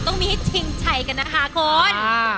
ต้องมีให้ชิงชัยกันนะคะคุณ